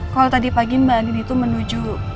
kalau tadi pagi mbak adin itu menuju